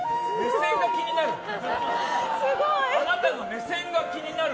目線が気になる。